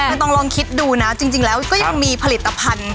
คือต้องลองคิดดูนะจริงแล้วก็ยังมีผลิตภัณฑ์